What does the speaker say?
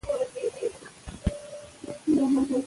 باسواده نجونې د تیاتر په برخه کې کار کوي.